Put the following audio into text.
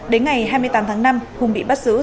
đến ngày hai mươi tám tháng năm hùng bị bắt giữ